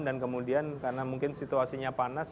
dan kemudian karena mungkin situasinya panas